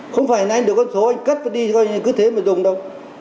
không phải là anh được con số anh cất và đi cứ thế mà dùng đâu